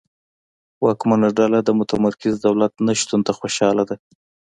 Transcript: واکمنه ډله د متمرکز دولت نشتون ته خوشاله ده.